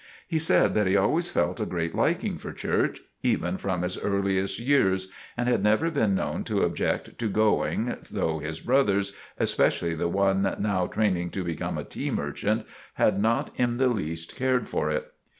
He said that he always felt a great liking for church—even from his earliest years—and had never been known to object to going, though his brothers—especially the one now training to become a tea merchant—had not in the least cared for it.